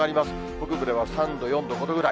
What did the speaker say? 北部では３度、４度、５度ぐらい。